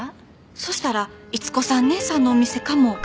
そしたら伊津子さんねえさんのお店かも。